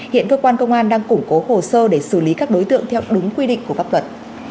hiện cơ quan công an đang củng cố hồ sơ để xử lý các đối tượng theo đúng quy định của pháp luật